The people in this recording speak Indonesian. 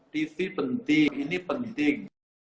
tv penting ini penting